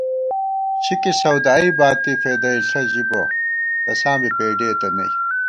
شکی سَودائی باتی فېدَئیݪہ ژِبہ، تساں بی پېڈېتہ نئ